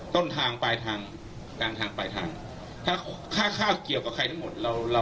กลางทางปลายทางข้าวเกี่ยวกับใครนั้นหมด